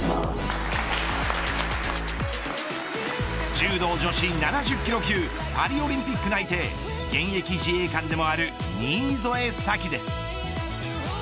柔道女子７０キロ級パリオリンピック内定現役自衛官でもある新添左季です。